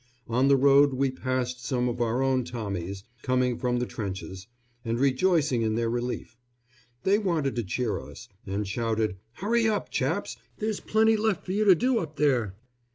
On the road we passed some of our own Tommies, coming from the trenches, and rejoicing in their relief. They wanted to cheer us, and shouted, "Hurry up, chaps; there's plenty left for you to do up there."